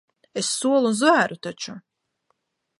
Es solu un zvēru taču.